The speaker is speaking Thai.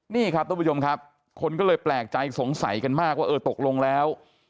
นี่ครับทุกผู้ชมครับคนก็เลยแปลกใจสงสัยกันมากว่าเออตกลงแล้ว